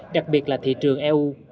đặc biệt là thị trường eu